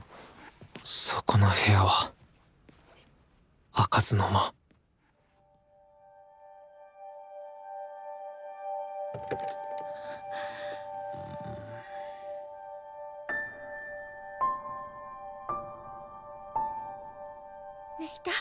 そこの部屋は開かずの間ねえいた？